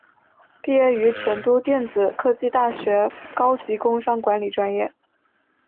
毕业于成都电子科技大学高级工商管理专业。